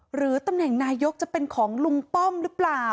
หรือตำแหน่งนายกจะเป็นของลุงป้อมหรือเปล่า